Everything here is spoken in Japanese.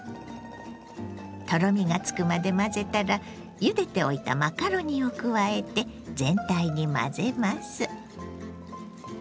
とろみがつくまで混ぜたらゆでておいたマカロニを加えて全体に混ぜます。